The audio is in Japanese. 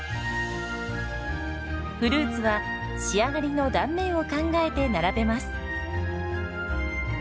フルーツは仕上がりの断面を考えて並べます。